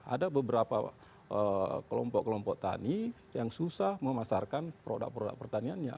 ada beberapa kelompok kelompok tani yang susah memasarkan produk produk pertaniannya